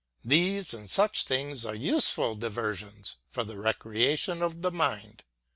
These and such things are useful diversions, for the recreation of the mind.